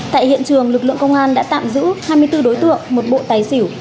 tại hiện trường lực lượng công an đã tạm giữ hai mươi bốn đối tượng một bộ tài xỉu